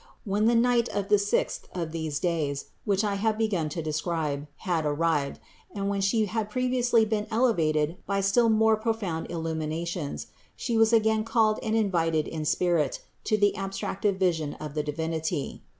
When the night of the sixth of these days, which I have begun to describe, had arrived, and when She had previously been elevated by still more profound illuminations, She was again called and invited in spirit to the abstractive vision of the Divinity.